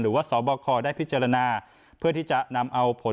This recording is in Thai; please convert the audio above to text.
หรือว่าศบคได้พิจารณาเพื่อที่จะนำเอาผลตอบรับ